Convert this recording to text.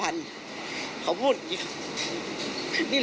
ถ้าเขาถูกจับคุณอย่าลืม